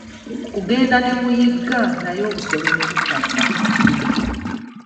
Kugenda ne muyigga naye obusolo ne butafa.